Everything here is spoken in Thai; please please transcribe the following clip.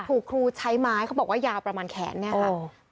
ถูกครูใช้ไม้เขาบอกว่ายาวประมาณแขนเนี่ยค่ะ